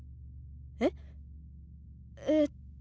えっ？えっと。